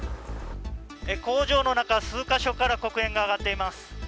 工場の中、数カ所から黒煙が上がっています。